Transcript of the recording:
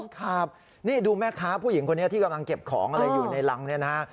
ครับนี่ดูแม่ค้าผู้หญิงคนนี้ที่กำลังเก็บของอะไรอยู่ในรังเนี่ยนะฮะ